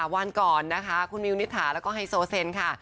วันก่อนนะคะคุณมิวนิษฐาแล้วก็ไฮโซเซนค่ะ